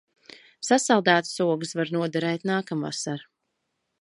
Sasaldētas ogas var noderēt nākamvasar.